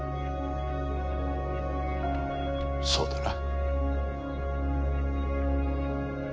そうだな。